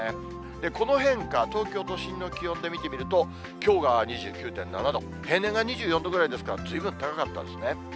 この変化、東京都心の気温で見てみると、きょうが２９．７度、平年が２４度ぐらいですから、ずいぶん高かったんですね。